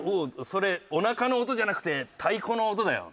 それおなかの音じゃなくて太鼓の音だよ。